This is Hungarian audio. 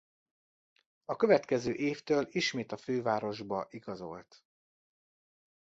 A következő évtől ismét a fővárosba igazolt.